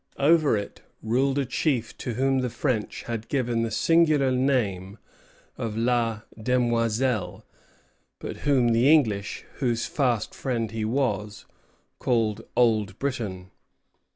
Over it ruled a chief to whom the French had given the singular name of La Demoiselle, but whom the English, whose fast friend he was, called Old Britain.